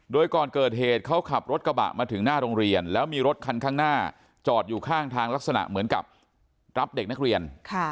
โดยก่อนเกิดเหตุเขาขับรถกระบะมาถึงหน้าโรงเรียนแล้วมีรถคันข้างหน้าจอดอยู่ข้างทางลักษณะเหมือนกับรับเด็กนักเรียน